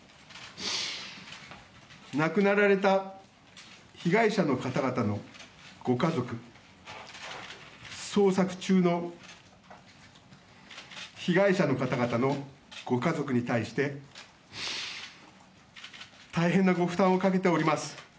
亡くなられた被害者の方々のご家族、捜索中の被害者の方々のご家族に対して大変なご負担をかけております。